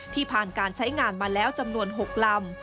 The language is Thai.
ผ่านการใช้งานมาแล้วจำนวน๖ลำ